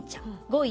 ５位